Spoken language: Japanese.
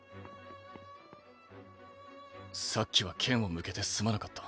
さっきは剣を向けてすまなかった。